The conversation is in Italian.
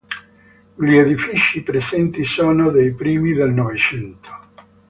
Gli edifici presenti sono dei primi del novecento.